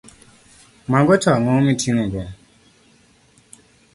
Mago to ang’o miting’ogo?